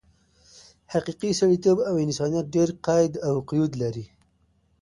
حقیقي سړیتوب او انسانیت ډېر قید او قیود لري.